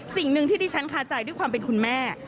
สิ่งหนึ่งที่ดิฉันคาใจด้วยความเป็นคุณแม่